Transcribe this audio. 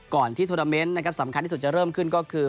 ก่อนที่ทวนาเมนต์สำคัญที่สุดจะเริ่มขึ้นก็คือ